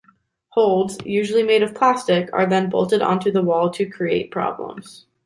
Holds, usually made of plastic, are then bolted onto the wall to create problems.